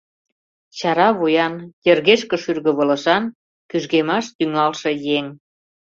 Чара вуян, йыргешке шӱргывылышан, кӱжгемаш тӱҥалше еҥ.